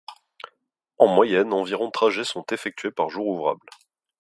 En moyenne, environ trajets sont effectués par jour ouvrable.